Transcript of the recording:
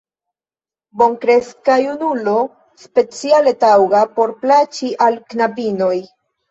Bonkreska junulo, speciale taŭga, por plaĉi al knabinoj!